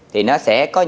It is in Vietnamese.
thì nó sẽ có những